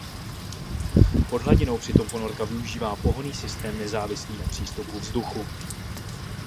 Pod hladinou přitom ponorka využívá pohonný systém nezávislý na přístupu vzduchu.